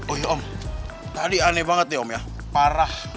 oh ya om tadi aneh banget nih om ya parah